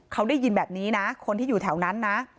เขาได้ยินแบบนี้นะคนที่อยู่แถวนั้นนะ